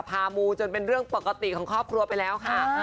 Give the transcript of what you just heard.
มูจนเป็นเรื่องปกติของครอบครัวไปแล้วค่ะ